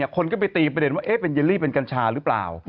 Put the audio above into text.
คนก็ไปตีประเด็นว่าเป็นเยลลี่เป็นกัญชาหรือเปล่า